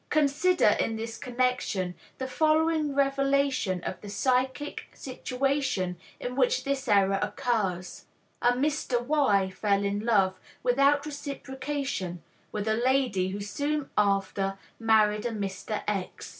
Consider in this connection the following revelation of the psychic situation in which this error occurs: "A Mr. Y. fell in love, without reciprocation, with a lady who soon after married a Mr. X.